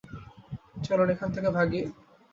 চলুন এখান থেকে ভাগি।